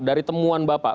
dari temuan bapak